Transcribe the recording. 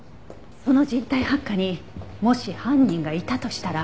この人体発火にもし犯人がいたとしたら。